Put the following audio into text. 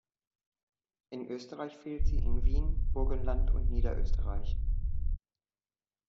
In Österreich fehlt sie in Wien, Burgenland und Niederösterreich.